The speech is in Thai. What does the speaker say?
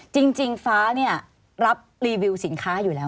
จริงฟ้าเนี่ยรับรีวิวสินค้าอยู่แล้วไหม